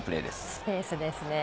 スペースですね。